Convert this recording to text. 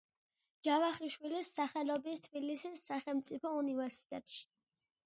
ჯავახიშვილის სახელობის თბილისის სახელმწიფო უნივერსიტეტში.